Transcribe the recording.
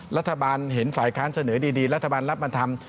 รัฐบาลเห็นฝ่ายค้านเสนอดีรัฐบาลรับมาทำ